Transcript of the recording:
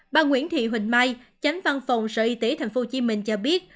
bà nguyễn thị huỳnh mai chánh văn phòng sở y tế tp hcm cho biết